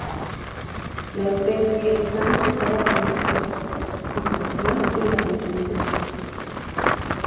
La especie está amenazada por la eutrofización y la contaminación.